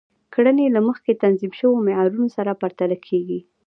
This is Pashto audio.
کړنې له مخکې تنظیم شوو معیارونو سره پرتله کیږي.